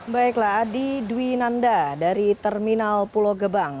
baiklah adi dwi nanda dari terminal pulau gebang